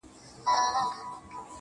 او خپل څادر يې تر خپل څنگ هوار کړ